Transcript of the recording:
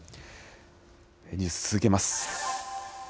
ニュース続けます。